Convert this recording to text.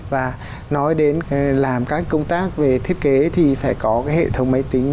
và nói đến làm các công tác về thiết kế thì phải có cái hệ thống máy tính